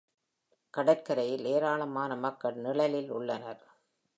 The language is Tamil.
கடற்கரையில் ஏராளமான மக்கள் நிழலில் உள்ளனர்.